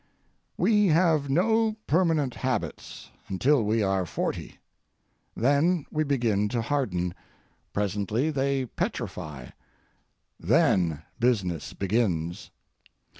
We have no permanent habits until we are forty. Then they begin to harden, presently they petrify, then business begins.